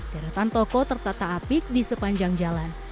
deretan toko tertata apik di sepanjang jalan